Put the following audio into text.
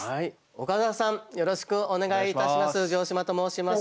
岡澤さんよろしくお願いいたします。